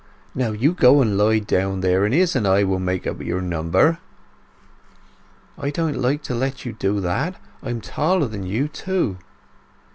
Now you go and lie down there, and Izz and I will make up your number." "I don't like to let you do that. I'm taller than you, too."